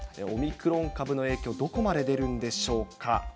オミクロン株の影響、どこまで出るんでしょうか。